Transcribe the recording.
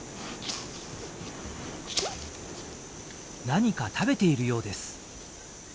何か食べているようです。